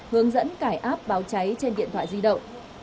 hướng dẫn cải áp báo cháy trên điện thoại di động